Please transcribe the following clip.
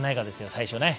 最初。